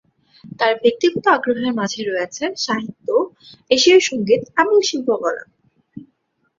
তার ব্যক্তিগত আগ্রহের মাঝে রয়েছে সাহিত্য, এশীয় সঙ্গীত, এবং শিল্পকলা।